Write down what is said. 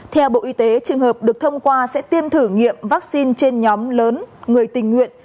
theo bộ y tế trường hợp được thông qua sẽ tiêm thử nghiệm vaccine trên nhóm lớn người tình nguyện